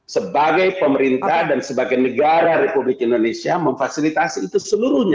sebagai pemerintah dan sebagai negara republik indonesia memfasilitasi itu seluruhnya